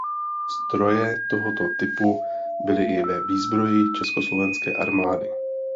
Stroje tohoto typu byly i ve výzbroji Československé armády.